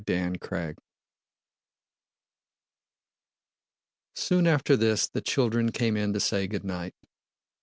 CHAPTER XIV Soon after this the children came in to say good night.